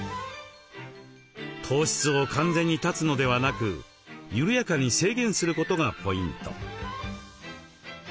糖質を完全に絶つのではなく緩やかに制限することがポイント。